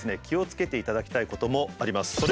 気をつけていただきたいこともあります。